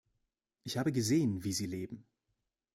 Ich habe gesehen, wie sie leben.